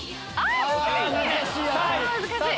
難しい！